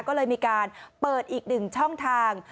ก็เลยมีการเปิดอีกหนึ่งช่องทาง